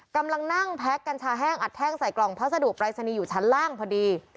กำลังนั่งแพ็กกัญชาแห้งอัดแห้งใส่กล่องพัสดุปรายศนีย์อยู่ชั้นล่างพอดี